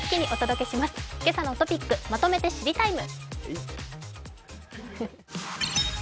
「けさのトピックまとめて知りＴＩＭＥ，」。